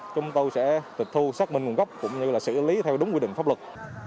chúng tôi sẽ tịch thu xác minh nguồn gốc cũng như là xử lý theo đúng quy định pháp luật